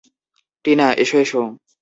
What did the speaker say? টিনা, এসো এসো।